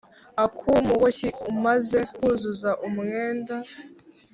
ak’umuboshyi umaze kuzuza umwenda,